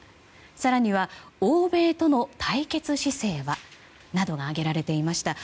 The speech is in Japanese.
更には欧米との対決姿勢は？などが挙げられていました。